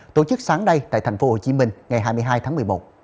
tổ chức sáng nay tại tp hcm ngày hai mươi hai tháng một mươi một